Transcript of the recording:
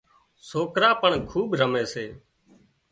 سوڪرا پڻ کُوٻ رمي سي